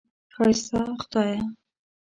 ښایسته خدایه!